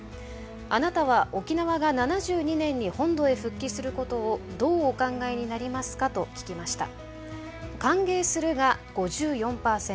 「あなたは沖縄が７２年に本土へ復帰することをどうお考えになりますか」と聞きました。